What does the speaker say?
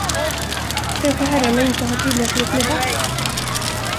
Kanske herrarna inte har tillräckligt med vax?